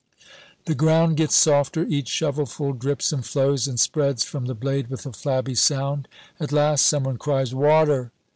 The ground gets softer; each shovelful drips and flows, and spreads from the blade with a flabby sound. At last some one cries, "Water!"